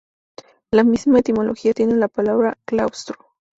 La misma etimología tiene la palabra "claustro".